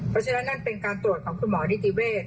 เพราะฉะนั้นนั่นเป็นการตรวจของคุณหมอนิติเวศ